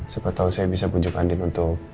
siapa tahu saya bisa bujuk andin untuk